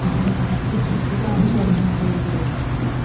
এটা আমি তার জন্যে তৈরি করে রেখেছি।